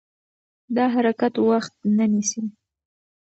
دا حرکت وخت نه نیسي.